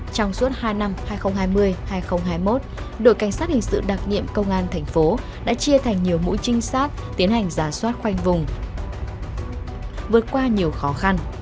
trong suốt hai năm hai nghìn hai mươi hai nghìn hai mươi một đội cảnh sát hình sự đặc nhiệm công an thành phố đã chia thành nhiều mũi trinh sát tiến hành giả soát khoanh vùng vượt qua nhiều khó khăn